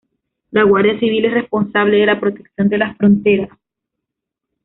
La Guardia Civil es responsable de la protección de las fronteras.